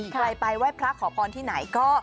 ใครไปไหว้พระขอพรที่ไหนก็